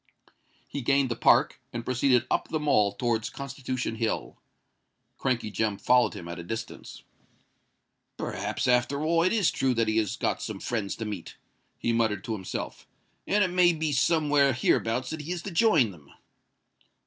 He gained the Park, and proceeded up the Mall towards Constitution Hill. Crankey Jem followed him at a distance. "Perhaps, after all, it is true that he has got some friends to meet," he muttered to himself; "and it may be somewhere hereabouts that he is to join them."